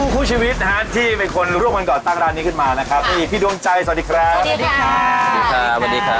คู่ชีวิตทานที่เป็นคนร่วมวันเกาะตั้งร้านนี้ขึ้นมานะครับนี่พี่ดวงใจสวัสดีครับ